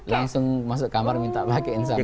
langsung masuk kamar minta pakai instagra